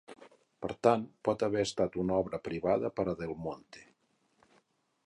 Per tant, pot haver estat una obra privada per a Del Monte.